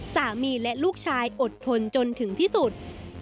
สามีและลูกชายอดทนจนถึงที่สุด